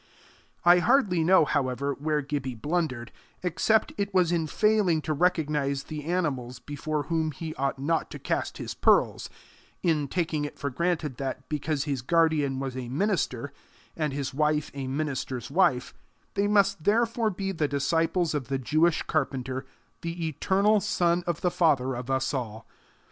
I hardly know, however, where Gibbie blundered, except it was in failing to recognize the animals before whom he ought not to cast his pearls in taking it for granted that, because his guardian was a minister, and his wife a minister's wife, they must therefore be the disciples of the Jewish carpenter, the eternal Son of the Father of us all.